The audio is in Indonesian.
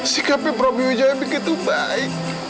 sikap ibrahimi ujaya begitu baik